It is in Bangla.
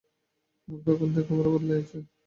মুখরা কুন্দ একেবারে বদলাইয়া গিয়াছে।